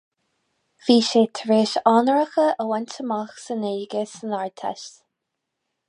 Bhí sé tar éis onóracha a bhaint amach sa nGaeilge san Ardteist.